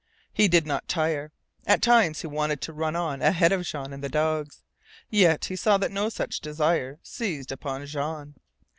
He did not tire. At times he wanted to run on ahead of Jean and the dogs. Yet he saw that no such desire seized upon Jean.